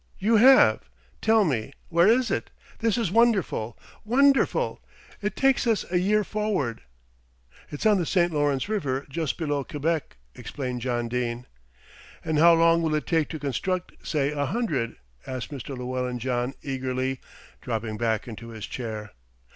"You have. Tell me, where is it? This is wonderful, wonderful! It takes us a year forward." "It's on the St. Lawrence River, just below Quebec," explained John Dene. "And how long will it take to construct say a hundred?" asked Mr. Llewellyn John eagerly, dropping back into his chair.